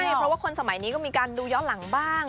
ใช่เพราะว่าคนสมัยนี้ก็มีการดูย้อนหลังบ้าง